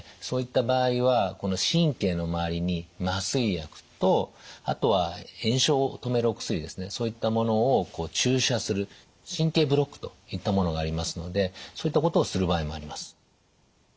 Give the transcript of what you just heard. そういった場合はこの神経の周りに麻酔薬とあとは炎症を止めるお薬ですねそういったものを注射する神経ブロックといったものがありますのでそういったことをする場合もあります。